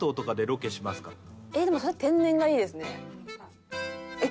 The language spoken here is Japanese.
えっでもそれは天然がいいですね。